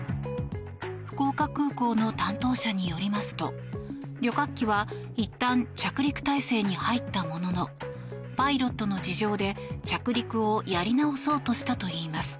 福岡空港の担当者によりますと旅客機はいったん着陸態勢に入ったもののパイロットの事情で着陸をやり直そうとしたといいます。